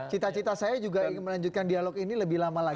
cita cita saya juga ingin melanjutkan dialog ini lebih lama lagi